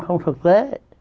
không thực tế